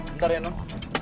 bentar ya non